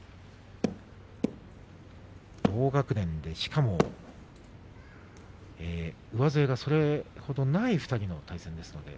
同学年で、しかも上背がそれほどない２人です。